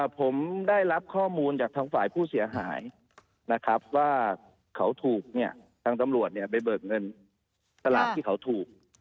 ผมได้รับข้อมูลจากทางฝ่ายผู้เสียหายนะครับว่าเขาถูกเนี่ยทางตำรวจไปเบิกเงินสลากที่เขาถูก